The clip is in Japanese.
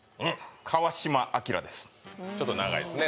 ちょっと長いですね